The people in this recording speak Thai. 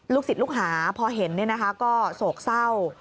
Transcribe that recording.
ลูกสิทธิ์ลูกหาพอเห็นก็โศกเศร้า